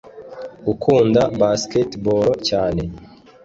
ukunda basketball cyane